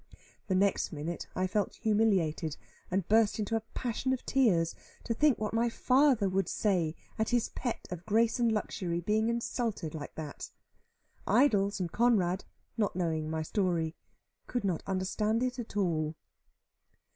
The next minute I felt humiliated, and burst into a passion of tears, to think what my father would say at his pet of grace and luxury being insulted like that. Idols and Conrad, not knowing my story, could not understand it at all.